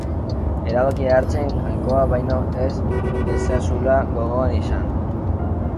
Erabakia hartzean, Jainkoa baino ez dezazula gogoan izan.